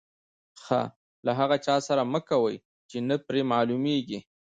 ښه له هغه چا سره مه کوئ، چي نه پر معلومېږي.